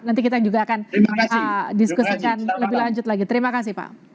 nanti kita juga akan diskusikan lebih lanjut lagi terima kasih pak